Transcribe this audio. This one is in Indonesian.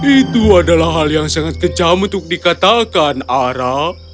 itu adalah hal yang sangat kecam untuk dikatakan ara